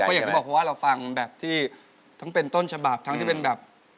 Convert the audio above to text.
ก็อย่างที่บอกเพราะว่าเราฟังแบบที่ทั้งเป็นต้นฉบับทั้งที่เป็นแบบ